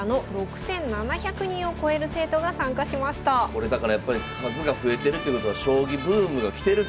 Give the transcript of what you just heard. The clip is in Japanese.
これだからやっぱり数が増えてるってことは将棋ブームがきてると。